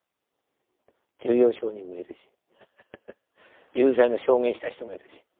重要証人もいるし有罪の証言した人もいるし。